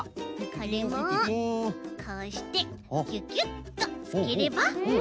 これもこうしてキュキュッとつければ。